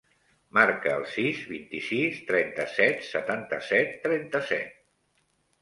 Marca el sis, vint-i-sis, trenta-set, setanta-set, trenta-set.